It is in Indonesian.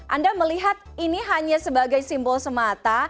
anda melihat ini hanya sebagai simbol semata